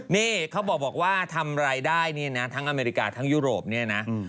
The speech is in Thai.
นี่เขาบอกว่าทำรายได้เนี่ยนะทั้งอเมริกาทั้งยุโรปเนี่ยนะ